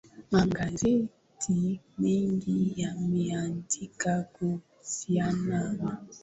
magazeti mengi yameandika kuhusiana na